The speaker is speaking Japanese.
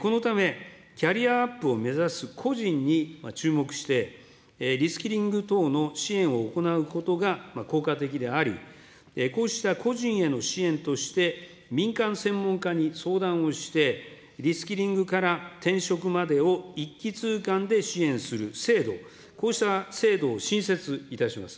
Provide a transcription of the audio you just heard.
このため、キャリアアップを目指す個人に注目して、リスキリング等の支援を行うことが効果的であり、こうした個人への支援として、民間専門家に相談をして、リスキリングから転職までを一気通貫で支援する制度、こうした制度を新設いたします。